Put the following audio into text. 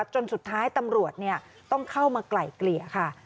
จนสุดท้ายตำรวจต้องเข้ามาไกล่เกลี่ยค่ะ